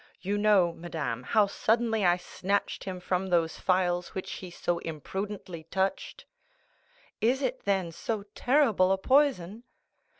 You know, madame, how suddenly I snatched him from those phials which he so imprudently touched?" "Is it then so terrible a poison?"